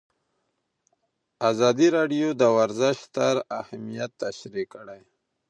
ازادي راډیو د ورزش ستر اهميت تشریح کړی.